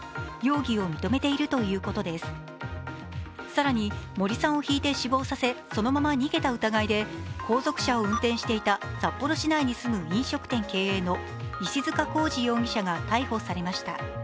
更に森さんをひいて死亡させそのまま逃げた疑いで後続車を運転していた札幌市内に住む飲食店経営の石塚孝司容疑者が逮捕されました。